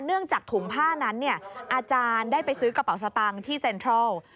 จากถุงผ้านั้นอาจารย์ได้ไปซื้อกระเป๋าสตางค์ที่เซ็นทรัล